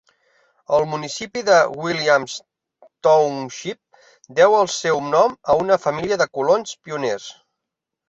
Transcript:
El municipi de Williams Township deu el seu nom a una família de colons pioners.